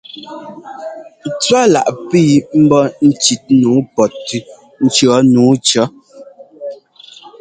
Tswálaʼ pii mbɔ́ ŋ́bɔ́ ŋ́cít nǔu pɔtʉ́ ŋ́cʉ̈ nǔu cʉ̈.